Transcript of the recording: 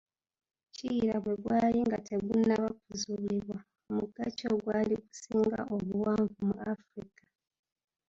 "Kiyira bwe gwali nga tegunnaba kuzuulibwa, mugga ki ogwali gusinga obuwanvu mu Afrika?"